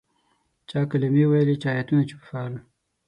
چا کلمې ویلې چا آیتونه چوفول.